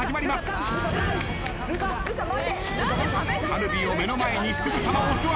カルビを目の前にすぐさまお座り。